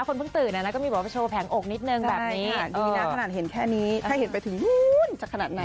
คนเพิ่งตื่นก็มีบอกว่าโชว์แผงอกนิดนึงแบบนี้ดีนะขนาดเห็นแค่นี้ถ้าเห็นไปถึงนู้นจะขนาดไหน